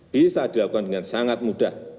bisa dilakukan dengan sangat mudah